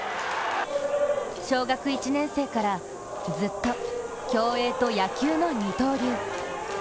小学１年生からずっと競泳と野球の二刀流。